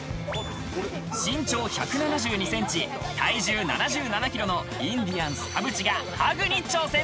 身長１７２センチ、体重７７キロのインディアンス・田渕がハグに挑戦。